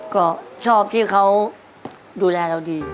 ก็ชอบที่เขาดูแลเราดี